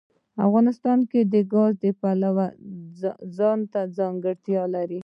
افغانستان د ګاز د پلوه ځانته ځانګړتیا لري.